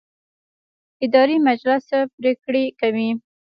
اداري مجلس څه پریکړې کوي؟